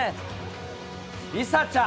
梨紗ちゃん。